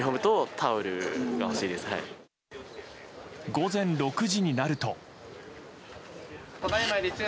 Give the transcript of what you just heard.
午前６時になると。